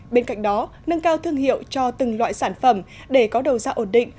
bên cạnh đó nâng cao thương hiệu cho từng loại sản phẩm để có đầu ra ổn định